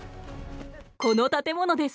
この建物です。